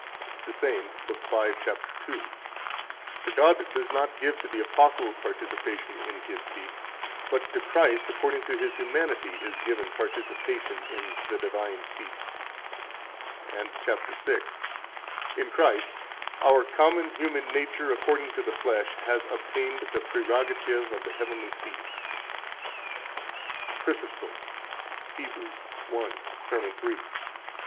48 The same, lib. 5, cap. 2 (p.99): "For God does not give to the apostles participation in His seat, but to Christ, according to His humanity, is given participation in the divine seat." 49 And cap. 6 (p. 108): "In Christ our common [human] nature, according to the flesh, has obtained the prerogative of the heavenly seat." 50 CHRYSOSTOM, Heb, 1, Serm. 3, p. 117 (tom. 4; Homilies, 3, p.